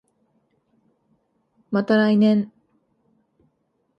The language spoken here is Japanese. また来年